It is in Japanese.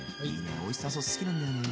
オイスターソース好きなんだよね。